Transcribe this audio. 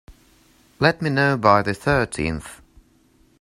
Let me know by the thirteenth.